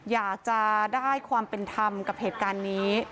อยากจะได้ความเป็นธรรมกับเหตุการณ์นี้